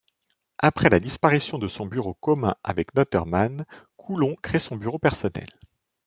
Après la disparation de son bureau commun avec Noterman, Coulon crée son bureau personnel.